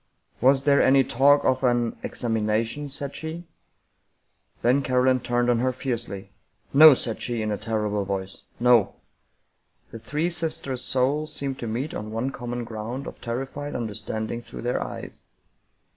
" Was there any talk of an — examination? " said she. Then Caroline turned on her fiercely. " No," said she in a terrible voice. " No." The three sisters' souls seemed to meet on one common ground of terrified understanding through their eyes.